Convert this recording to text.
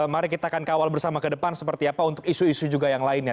mari kita akan kawal bersama ke depan seperti apa untuk isu isu juga yang lainnya